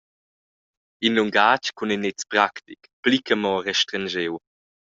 In lungatg cun in nez pratic pli che mo restrenschiu.